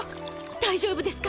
大丈夫ですか？